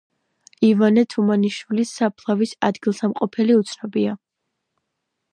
ივანე თუმანიშვილის საფლავის ადგილსამყოფელი უცნობია.